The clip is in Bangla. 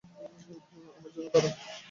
আমার জন্যে দাঁড়াও।